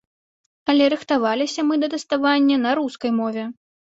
Але рыхтаваліся мы да тэставання на рускай мове.